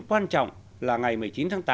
quan trọng là ngày một mươi chín tháng tám